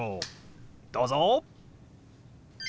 どうぞ！